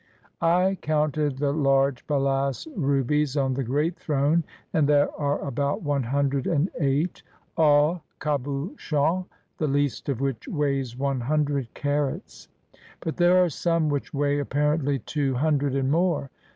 I counted the large balass rubies on the great throne, and there are about one hundred and eight, all cabu chons, the least of which weighs one hundred carats; but there are some which weigh apparently two hun dred and more.